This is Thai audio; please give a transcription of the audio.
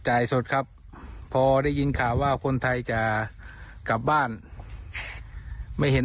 สดครับพอได้ยินข่าวว่าคนไทยจะกลับบ้านไม่เห็น